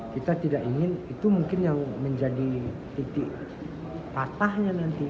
kita tidak ingin itu mungkin yang menjadi titik patahnya nanti